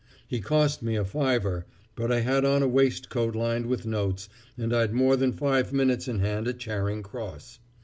He cost me a fiver, but I had on a waistcoat lined with notes, and I'd more than five minutes in hand at Charing Cross.